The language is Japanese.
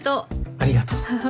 ありがとう。